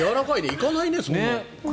いかないね、そんなに。